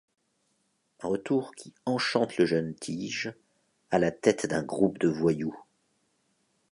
Un retour qui enchante le jeune Tige, à la tête d'un groupe de voyous.